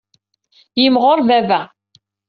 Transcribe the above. Yimɣur baba.